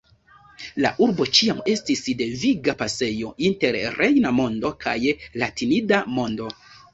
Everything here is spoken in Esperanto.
La urbo ĉiam estis deviga pasejo inter rejna mondo kaj latinida mondo.